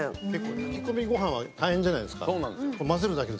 炊き込みごはんは大変じゃないですか。